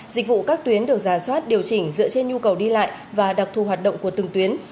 dịch vụ các tuyến được giả soát điều chỉnh dựa trên nhu cầu đi lại và đặc thù hoạt động của từng tuyến